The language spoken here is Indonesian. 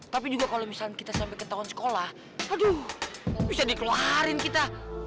tapi juga kalau misalnya kita sampai ke tahun sekolah aduh bisa dikeluarin kita